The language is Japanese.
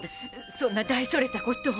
そんな大それたことを。